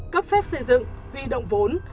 cấp phép xây dựng huy động vốn